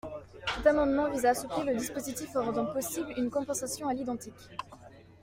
Cet amendement vise à assouplir le dispositif en rendant possible une compensation à l’identique.